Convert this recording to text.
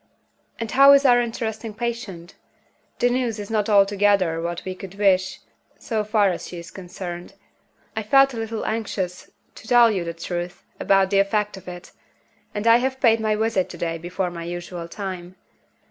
And how is our interesting patient? The news is not altogether what we could wish, so far as she is concerned. I felt a little anxious, to tell you the truth, about the effect of it; and I have paid my visit to day before my usual time.